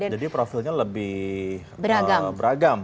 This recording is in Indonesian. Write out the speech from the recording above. jadi profilnya lebih beragam